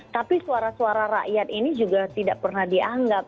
tapi suara suara rakyat ini juga tidak pernah dianggap